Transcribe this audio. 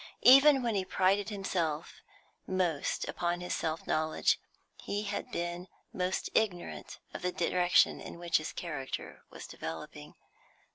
Even when he prided himself most upon his self knowledge he had been most ignorant of the direction in which his character was developing.